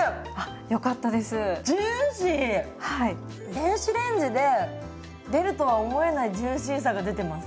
電子レンジで出るとは思えないジューシーさが出てます。